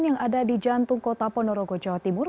yang ada di jantung kota ponorogo jawa timur